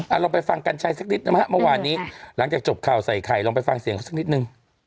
ลองไปฟังกัญชัยสักนิดนะฮะเมื่อวานนี้หลังจากจบข่าวใส่ไข่ลองไปฟังเสียงเขาสักนิดนึง